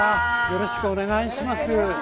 よろしくお願いします。